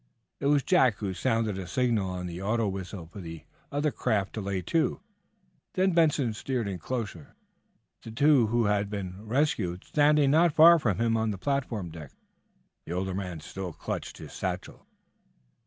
It was Jack who sounded a signal on the auto whistle for the other craft to lay to. Then Benson steered in closer, the two who had been rescued standing not far from him on the platform deck. The older man still clutched his satchel.